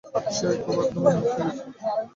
সে একদম উন্মাদ হয়ে গেছিল।